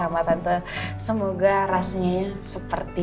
mereka akan bukti